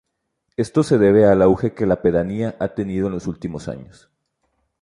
Esto se debe al auge que la pedanía ha tenido en los últimos años.